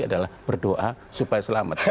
adalah berdoa supaya selamat